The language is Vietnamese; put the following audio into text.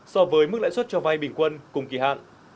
so với mức lãi suất cho vay bình quân cùng kỳ hạn